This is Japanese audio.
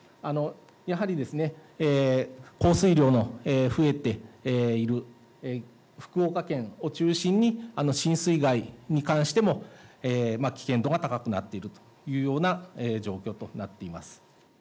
やはりですね、降水量の増えている福岡県を中心に、浸水害に関しても危険度が高くなっているというような状況となっています。